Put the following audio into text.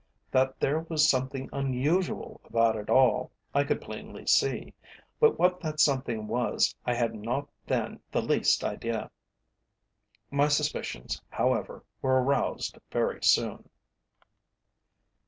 That there was something unusual about it all I could plainly see, but what that something was I had not then the least idea. My suspicions, however, were aroused very soon.